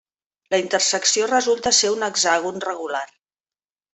La intersecció resulta ser un hexàgon regular.